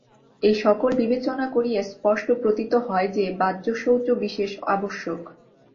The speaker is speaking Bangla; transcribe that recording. এই-সকল বিবেচনা করিয়া স্পষ্ট প্রতীত হয় যে, বাহ্য শৌচ বিশেষ আবশ্যক।